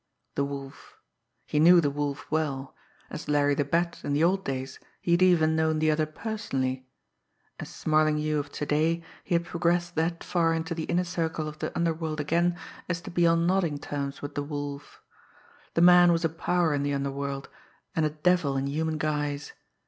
The Wolf! He knew the Wolf well as Larry the Bat in the old days he had even known the other personally as Smarlinghue of to day he had progressed that far into the inner ring of the underworld again as to be on nodding terms with the Wolf. The man was a power in the underworld and a devil in human guise.